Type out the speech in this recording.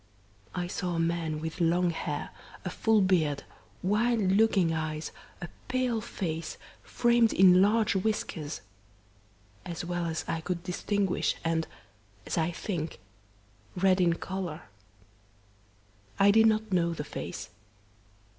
I saw a man with long hair, a full beard, wild looking eyes, a pale face, framed in large whiskers, as well as I could distinguish, and, as I think red in colour. I did not know the face.